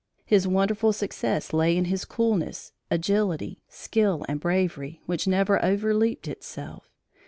His wonderful success lay in his coolness, agility, skill and bravery, which never "overleaped itself."